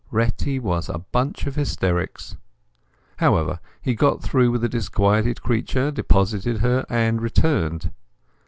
Retty was a bunch of hysterics. However, he got through with the disquieted creature, deposited her, and returned.